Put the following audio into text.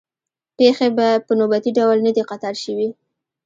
پېښې په نوبتي ډول نه دي قطار شوې.